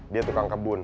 dia tukang kebun